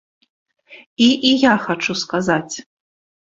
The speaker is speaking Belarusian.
І і я хачу сказаць.